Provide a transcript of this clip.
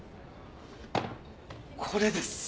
これです